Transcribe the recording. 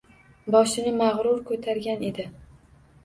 Boshini mag‘rur ko‘targan edi.